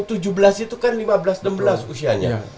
umur tujuh belas itu kan lima belas enam belas usianya